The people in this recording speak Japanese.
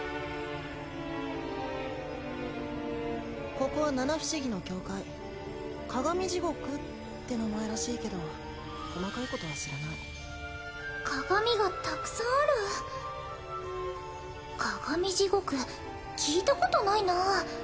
ここは七不思議の境界「カガミジゴク」って名前らしいけど細かいことは知らない鏡がたくさんあるカガミジゴク聞いたことないなあ